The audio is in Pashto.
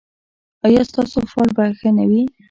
ایا ستاسو فال به ښه نه وي؟